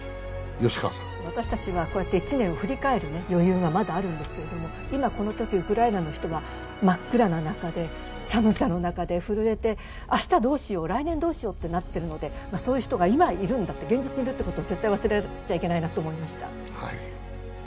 私たちは１年振り返る余裕がまだあるんですけど、今このとき、ウクライナの人は真っ暗な中で、寒さの中で、震えて明日どうしよう、来年どうしようとなっているので、そういう人が今、現実にいるんだということを絶対忘れちゃいけないなと思いました。